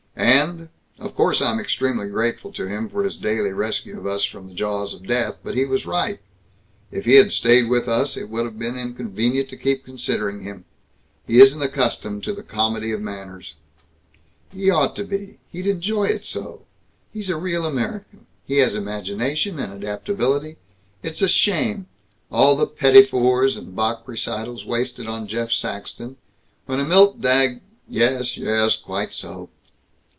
And Of course I'm extremely grateful to him for his daily rescue of us from the jaws of death, but he was right; if he had stayed with us, it would have been inconvenient to keep considering him. He isn't accustomed to the comedy of manners " "He ought to be. He'd enjoy it so. He's the real American. He has imagination and adaptability. It's a shame: all the petits fours and Bach recitals wasted on Jeff Saxton, when a Milt Dag " "Yes, yes, quite so!"